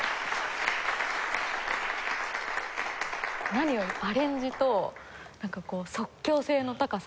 何よりアレンジと即興性の高さ。